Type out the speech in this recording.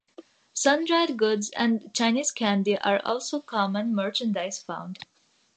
Sun-dried goods and Chinese candy are also common merchandise found.